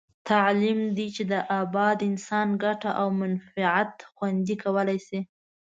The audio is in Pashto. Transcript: تعلیم دی چې د اباد انسان ګټه او منفعت خوندي کولای شي.